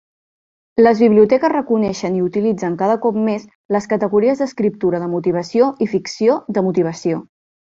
Les biblioteques reconeixen i utilitzen cada cop més les categories d'escriptura de motivació i ficció de motivació.